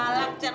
ada apa sih nih